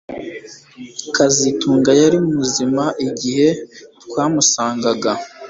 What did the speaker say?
kazitunga yari muzima igihe twamusangaga